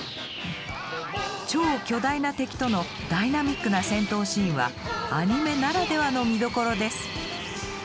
超巨大な敵とのダイナミックな戦闘シーンはアニメならではの見どころです。